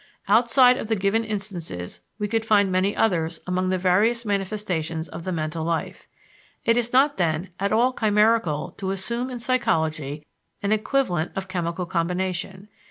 Outside of the given instances we could find many others among the various manifestations of the mental life. It is not, then, at all chimerical to assume in psychology an equivalent of chemical combination.